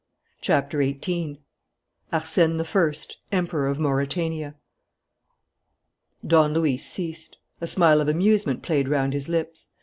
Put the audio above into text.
CHAPTER EIGHTEEN ARSÈNE I EMPEROR OF MAURETANIA Don Luis ceased. A smile of amusement played round his lips.